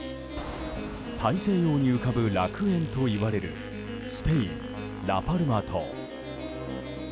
大西洋に浮かぶ楽園といわれるスペイン・ラパルマ島。